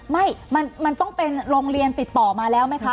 ไม่มันต้องเป็นโรงเรียนติดต่อมาแล้วไหมคะ